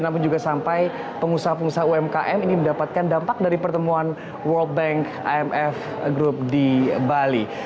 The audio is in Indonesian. namun juga sampai pengusaha pengusaha umkm ini mendapatkan dampak dari pertemuan world bank imf group di bali